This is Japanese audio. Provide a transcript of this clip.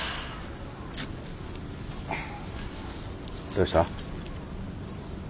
どうした？